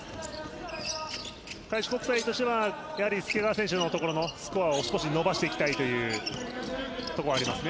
開志国際としてはやはり介川選手のところの得点を少し伸ばしていきたいというところはありますね。